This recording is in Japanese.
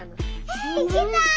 え行きたい！